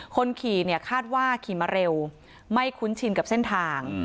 คนขี่เนี่ยคาดว่าขี่มาเร็วไม่คุ้นชินกับเส้นทาง